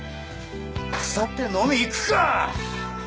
さて飲み行くか！